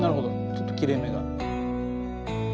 ちょっと切れ目が。